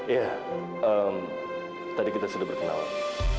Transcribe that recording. ya tadi kita sudah berkenalan